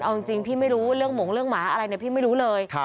เอาจริงพี่ไม่รู้เรื่องหมงเรื่องหมาอะไรเนี่ยพี่ไม่รู้เลย